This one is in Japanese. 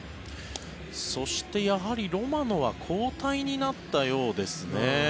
そして、やはりロマノは交代になったようですね。